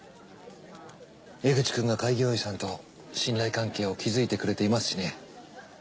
江口くんが開業医さんと信頼関係を築いてくれていますしね。